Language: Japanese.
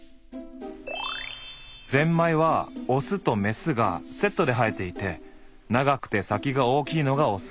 ぜんまいはオスとメスがセットで生えていて長くて先が大きいのがオス。